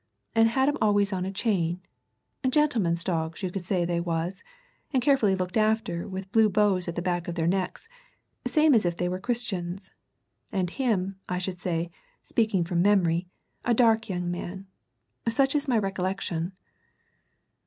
And had 'em always on a chain gentlemen's dogs you could see they was, and carefully looked after with blue bows at the back of their necks, same as if they was Christians. And him, I should say, speaking from memory, a dark young man such is my recollection."